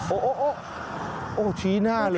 โอ้โฮชี้หน้าเลย